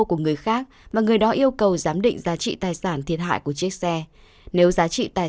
của người khác và người đó yêu cầu giám định giá trị tài sản thiệt hại của chiếc xe nếu giá trị tài